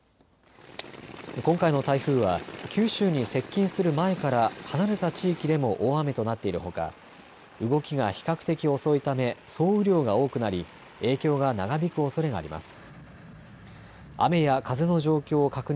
今回の台風は、九州に接近する前から、離れた地域でも大雨となっているほか、動きが比較的遅いため、総雨量が多くなり、影響が長引くおそれがあります。